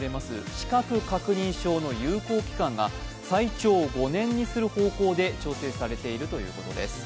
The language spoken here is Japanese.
資格確認書の有効期間が最長５年にする方向で調整されているということです。